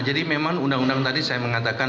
jadi memang undang undang tadi saya mengatakan